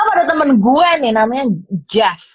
nah ada temen gue nih namanya jeff